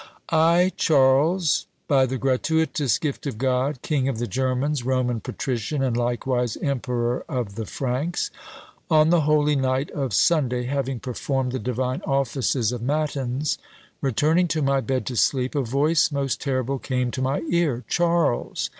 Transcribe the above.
"I, Charles, by the gratuitous gift of God, king of the Germans, Roman patrician, and likewise emperor of the Franks; "On the holy night of Sunday, having performed the divine offices of matins, returning to my bed to sleep, a voice most terrible came to my ear; 'Charles!